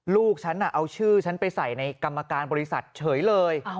ลูกฉันเอาชื่อฉันไปใส่ในกรรมการบริษัทเฉยเลย